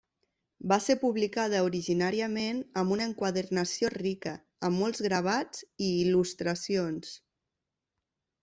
Va ser publicada originàriament amb una enquadernació rica, amb molts gravats i il·lustracions.